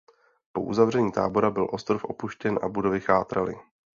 Po uzavření tábora byl ostrov opuštěn a budovy chátraly.